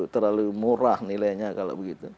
terlalu murah nilainya